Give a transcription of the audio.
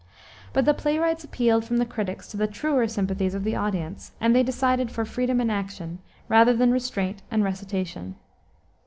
But the playwrights appealed from the critics to the truer sympathies of the audience, and they decided for freedom and action, rather than restraint and recitation.